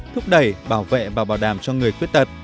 thúc đẩy bảo vệ và bảo đảm cho người khuyết tật